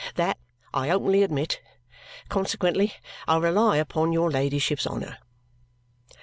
That, I openly admit. Consequently, I rely upon your ladyship's honour."